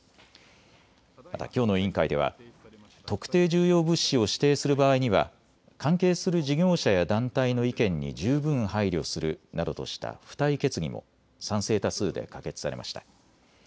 またきょうの委員会では特定重要物資を指定する場合には関係する事業者や団体の意見に十分配慮するなどとした付帯決議も賛成多数で可決されました。